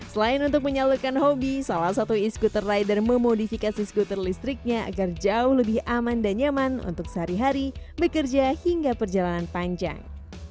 selain untuk menyalurkan hobi salah satu e scooter rider memodifikasi skuter listriknya agar jauh lebih aman dan nyaman untuk sehari hari bekerja hingga perjalanan panjang